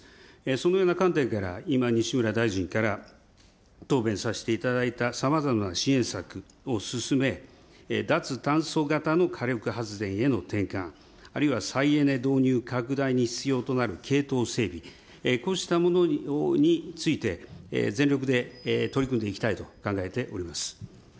そのような観点から今、西村大臣から答弁させていただいたさまざまな支援策を進め、脱炭素型の火力発電への転換、あるいは再エネ導入拡大に必要となる系統整備、こうしたものについて、全力で取り組んでいきたいと考えております。